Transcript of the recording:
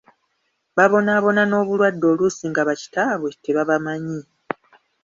Babonaabona n'obulwadde oluusi nga ba kitaabwe tebabamanyi.